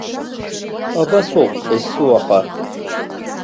Абасоуп есуаха.